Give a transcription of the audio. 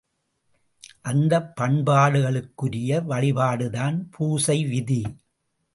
அந்தப் பண்பாடுகளுக்குரிய வழிபாடுதான் பூசை விதி!